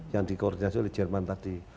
yang di koordinasi oleh jerman tadi